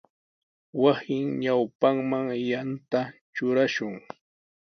Wasinpa ñawpanman yanta trurashun.